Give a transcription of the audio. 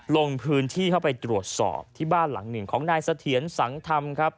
ลงพื้นที่เข้าไปตรวจสอบที่บ้านหลังหนึ่งของนายเสถียรสังธรรมครับ